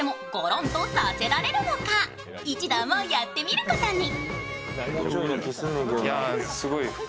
一同もやってみることに。